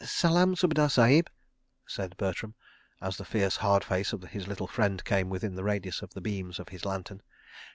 "Salaam, Subedar Sahib," said Bertram, as the fierce hard face of his little friend came within the radius of the beams of his lantern.